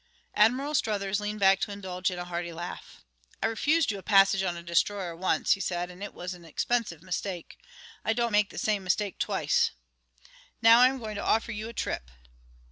Admiral Struthers leaned back to indulge in a hearty laugh. "I refused you a passage on a destroyer once," he said, "and it was an expensive mistake. I don't make the same mistake twice. Now I am going to offer you a trip....